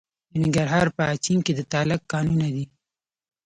د ننګرهار په اچین کې د تالک کانونه دي.